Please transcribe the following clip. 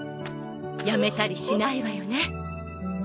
辞めたりしないわよね？